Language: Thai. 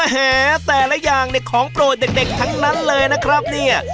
แหแต่ละอย่างเนี่ยของโปรดเด็กทั้งนั้นเลยนะครับเนี่ย